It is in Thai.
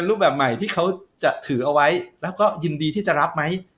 แล้วคนรับแล้วจะรับ